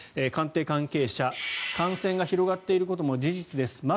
官邸関係者、感染が広がっていることも事実です。